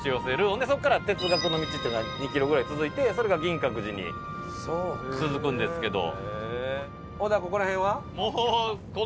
ほんでそこから哲学の道っていうのが２キロぐらい続いてそれが銀閣寺に続くんですけど。